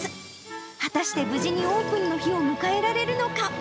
果たして無事にオープンの日を迎えられるのか。